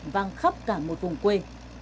vang khắp cả một vùng quê